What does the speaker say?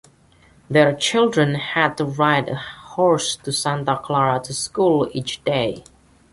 Their children had to ride a horse to Santa Clara to school each day.